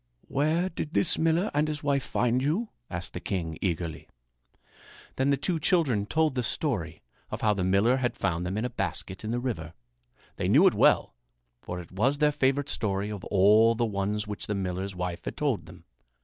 "Where did this miller and his wife find you?" asked the king eagerly. Then the two children told the story of how the miller had found them in a basket in the river. They knew it well, for it was their favorite story of all the ones which the miller's wife had told them.